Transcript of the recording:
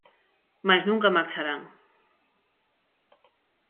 Mais nunca marcharán.